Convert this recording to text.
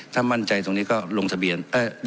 ถ้ามั่นใจตรงนี้ก็ลงทะเบียน